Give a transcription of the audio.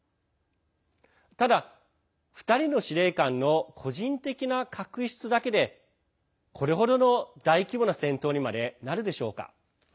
ただ、２人の司令官の個人的な確執だけでこれ程の大規模な戦闘にまでなるでしょうか。